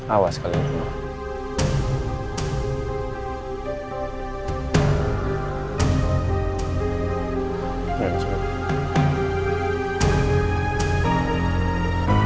awas kalian semua